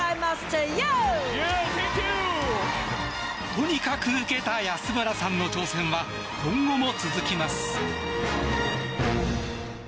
とにかくウケた安村さんの挑戦は今後も続きます。